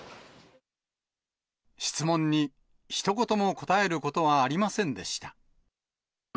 質問にひと言も答えることはありませんでした。